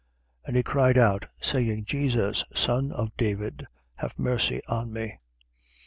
18:38. And he cried out, saying: Jesus, Son of David, have mercy on me.